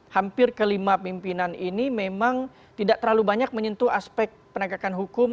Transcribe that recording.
hampir kelima pimpinan ini memang tidak terlalu banyak menyentuh aspek penegakan hukum